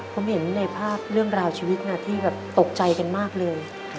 ผมเห็นในภาพเรื่องราวชีวิตนะที่แบบตกใจกันมากเลย